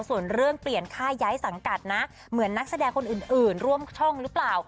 ส่วนเรื่องเปลี่ยนค่าย้ายสังกัดนะเหมือนนักแสดงคนอื่นร่วมช่องหรือเปล่า